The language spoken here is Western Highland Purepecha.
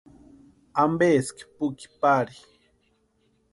¿Ampeski puki pari?